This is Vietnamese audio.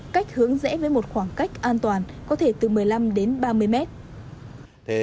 cách hướng dễ với một khoảng cách an toàn có thể từ một mươi năm đến ba mươi mét